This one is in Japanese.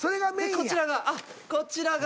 こちらがこちらが。